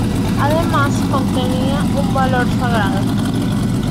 Además, contenía un valor sagrado.